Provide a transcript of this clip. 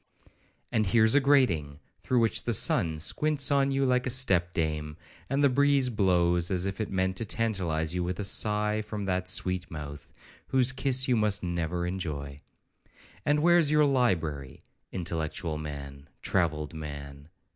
And here's a grating, through which the sun squints on you like a step dame, and the breeze blows, as if it meant to tantalize you with a sigh from that sweet mouth, whose kiss you must never enjoy. And where's your library,—intellectual man,—travelled man?'